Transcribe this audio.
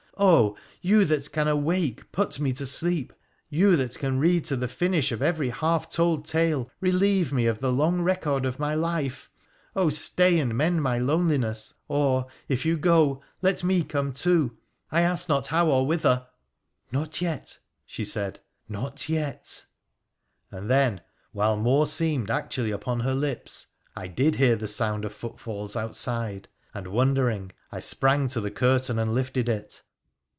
' Oh ! you that can awake, put ne to sleep — you, that can read to the finish of every lialf ;old tale, relieve me of the long record of my life ! Oh, stay md mend my loneliness, or, if you go, let me come too— I ask lot how or whither.' ' Not yet,' she said, ' not yet ' And then, while nore seemed actually upon her lips, I did hear the sound of botfalls outside, and, wondering, I sprang to the curtain and ifted it.